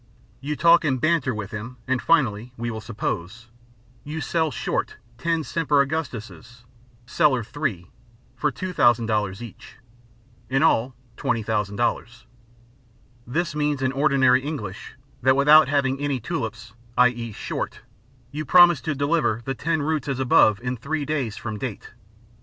You talk and "banter" with him, and finally (we will suppose) you "sell short" ten Semper Augustuses, "seller three," for $2,000 each, in all $20,000. This means in ordinary English, that without having any tulips (i. e., short,) you promise to deliver the ten roots as above in three days from date.